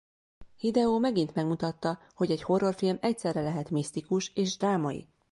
Hideo megint megmutatta hogy egy horrorfilm egyszerre lehet misztikus és drámai.